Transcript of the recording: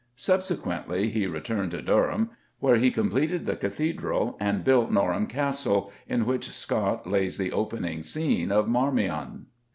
Subsequently he returned to Durham, where he completed the Cathedral and built Norham Castle, in which Scott lays the opening scene of Marmion.